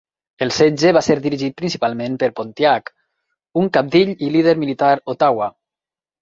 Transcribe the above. El setge va ser dirigit principalment per Pontiac, un cabdill i líder militar ottawa.